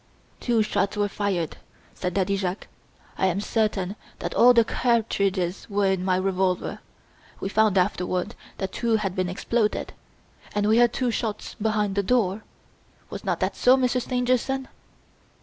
"Two shots were fired," said Daddy Jacques. "I am certain that all the cartridges were in my revolver. We found afterward that two had been exploded, and we heard two shots behind the door. Was not that so, Monsieur Stangerson?"